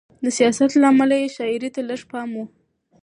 د سیاست له امله یې شاعرۍ ته لږ پام و.